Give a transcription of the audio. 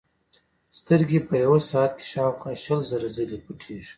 سترګې په یوه ساعت کې شاوخوا شل زره ځلې پټېږي.